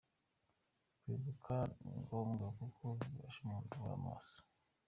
Kwibuka ni ngombwa kuko bifasha umuntu guhora maso.